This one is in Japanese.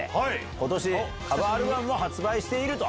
ことし、カバーアルバムも発売していると。